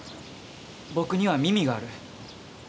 僕には耳がある。